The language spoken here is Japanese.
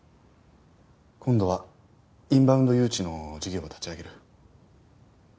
今度はインバウンド誘致の事業を立ち上げる。